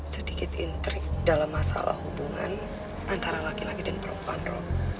sedikit intrik dalam masalah hubungan antara laki laki dan perempuan